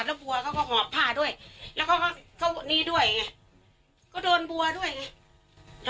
แล้วบัวเขาก็หอบผ้าด้วยแล้วก็เขานี่ด้วยไงก็โดนบัวด้วยไงโดนหมดเลย